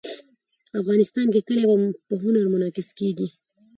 افغانستان کې کلي په هنر کې منعکس کېږي.